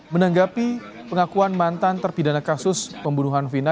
menanggapi pengakuan mantan terpidana kasus pembunuhan vina